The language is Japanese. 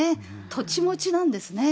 土地持ちなんですね。